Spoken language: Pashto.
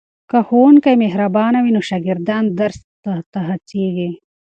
که ښوونکی مهربان وي نو شاګردان درس ته هڅېږي.